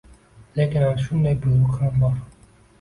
— Lekin ana shunday buyruq ham bor!